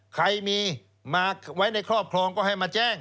ใครมีมาไว้ในครอบครองก็ให้มาแจ้ง